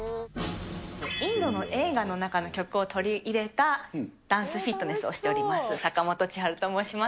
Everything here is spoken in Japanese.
インドの映画の中の曲を取り入れたダンスフィットネスをしております、さかもと千晴と申します。